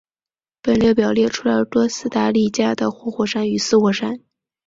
本列表列出了哥斯达黎加的活火山与死火山。